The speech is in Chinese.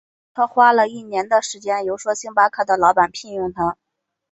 他花了一年的时间游说星巴克的老板聘用他。